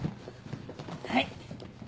はい。